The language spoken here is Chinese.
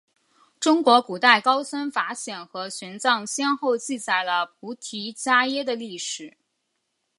中国古代高僧法显和玄奘先后记载了菩提伽耶的历史。